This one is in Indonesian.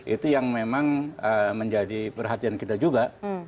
itu yang memang menjadi perhatian kita juga